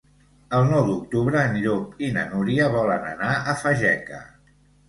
El nou d'octubre en Llop i na Núria volen anar a Fageca.